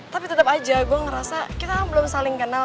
tapi tetap aja gue ngerasa kita belum saling kenal